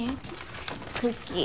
クッキー。